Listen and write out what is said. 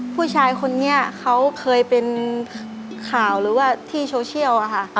ผู้ชายคนนี้เขาเคยเป็นข่าวหรือว่าที่โซเชียลค่ะ